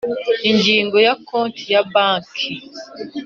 Ingingo ya Konti ya banki